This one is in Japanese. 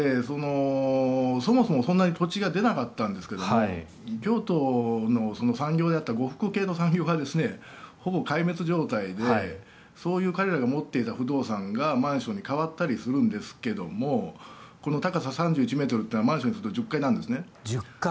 そもそもそんなに土地が出なかったんですけども京都の産業だった呉服系の産業がほぼ壊滅状態で、そういう彼らが持っていた不動産がマンションに変わったりするんですけどもこの高さ３１ｍというのはマンションにすると１０階なんですね。